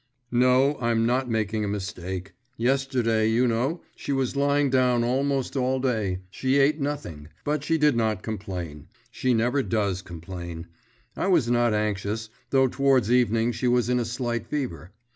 'No, I'm not making a mistake. Yesterday, you know, she was lying down almost all day, she ate nothing, but she did not complain.… She never does complain. I was not anxious, though towards evening she was in a slight fever.